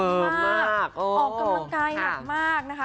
มากออกกำลังกายหนักมากนะคะ